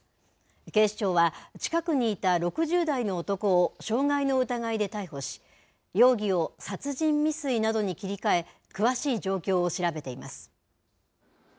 警視庁は、近くにいた６０代の男を傷害の疑いで逮捕し、容疑を殺人未遂などに切り替え、詳しい状況を調べています。